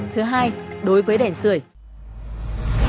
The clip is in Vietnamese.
thứ hai đối với đèn sửa